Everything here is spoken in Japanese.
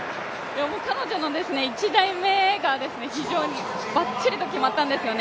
彼女の１台目が非常にばっちりと決まったんですよね。